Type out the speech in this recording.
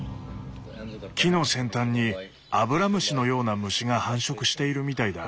木の先端にアブラムシのような虫が繁殖しているみたいだ。